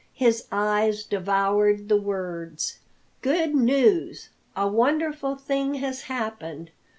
His eyes devoured the words: "Good news! A wonderful thing has happened.